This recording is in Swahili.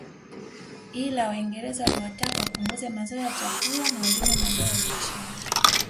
Ila waingereza waliwataka wapunguze mazao ya chakula na walime mazao ya biashara